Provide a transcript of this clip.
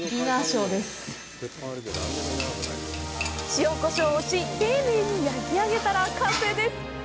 塩、こしょうをし、丁寧に焼き上げたら完成です。